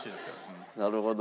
なるほど。